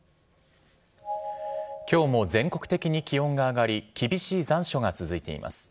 きょうも全国的に気温が上がり、厳しい残暑が続いています。